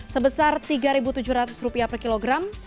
sebesar rp tiga tujuh ratus per kilogram